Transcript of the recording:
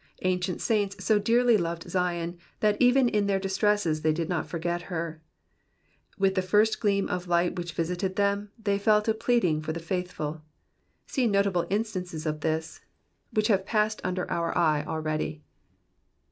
Ancient saints so dearly loved Zion, that even in their dis tresses they did not forget her ; with the first gleam of light which visited them, they fell to pleading for the faithful : see notable instances of this which have passed under our eye already.